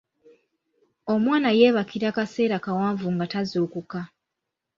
Omwana yebakira akaseera kawanvu nga tazuukuka.